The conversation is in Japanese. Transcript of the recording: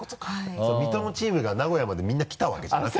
水戸のチームが名古屋までみんな来たわけじゃなくて？